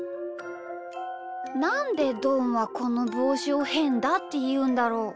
なんでどんはこのぼうしを「へんだ」っていうんだろう？